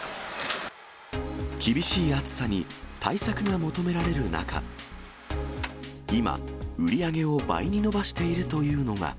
厳しい暑さに対策が求められる中、今、売り上げを倍に伸ばしているというのが。